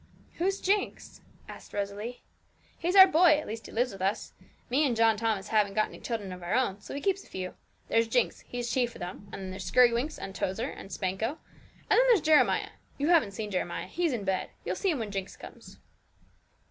'Who's Jinx?' asked Rosalie. 'He's our boy; at least he lives with us. Me and John Thomas haven't got any children of our own, so we keeps a few. There's Jinx, he's chief of them; and then there's Skirrywinks, and Tozer, and Spanco, and then there's Jeremiah you haven't seen Jeremiah; he's in bed you'll see him when Jinx comes.'